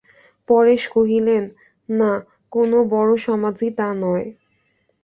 পরেশ কহিলেন, না, কোনো বড়ো সমাজই তা নয়।